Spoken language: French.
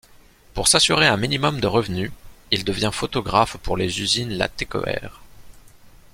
Pour s'assurer un minimum de revenus, il devient photographe pour les usines Latécoère.